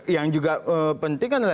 yang juga penting kan